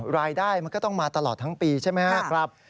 รายได้มันก็ต้องมาตลอดทั้งปีใช่ไหมครับ